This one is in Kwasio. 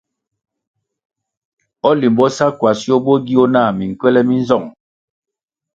O Limbo sa Ckwasio bo gio nah minkywèlè mi nzong ?